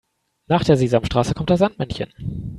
Nach der Sesamstraße kommt das Sandmännchen.